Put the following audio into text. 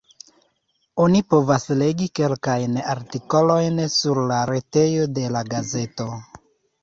Oni povas legi kelkajn artikolojn sur la retejo de la gazeto.